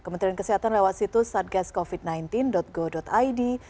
kementerian kesehatan lewat situs satgascovid sembilan belas go id